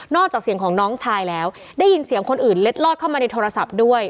จากเสียงของน้องชายแล้วได้ยินเสียงคนอื่นเล็ดลอดเข้ามาในโทรศัพท์ด้วย